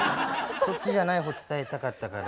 そっちじゃない方伝えたかったから。